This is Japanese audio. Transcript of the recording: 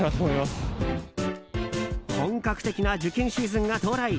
本格的な受験シーズンが到来。